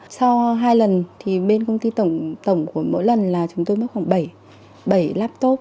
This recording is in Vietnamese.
sau hai lần thì bên công ty tổng của mỗi lần là chúng tôi mất khoảng bảy bảy laptop